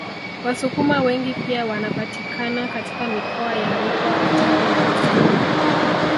Wasukuma wengi pia wanapatikana katika mikoa ya RukwaKatavi na Morogoro